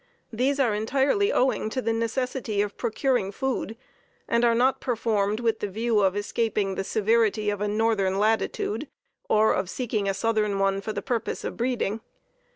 These are entirely owing to the necessity of procuring food, and are not performed with the view of escaping the severity of a northern latitude, or of seeking a southern one for the purpose of breeding.